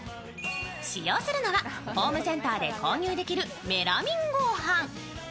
使用するのは、ホームセンターで購入できるメラミン合板。